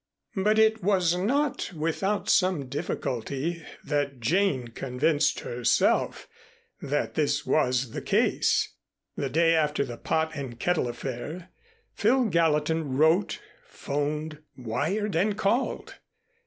But it was not without some difficulty that Jane convinced herself that this was the case. The day after the "Pot and Kettle" affair, Phil Gallatin wrote, 'phoned, wired and called.